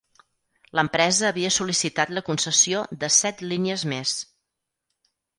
L'empresa havia sol·licitat la concessió de set línies més.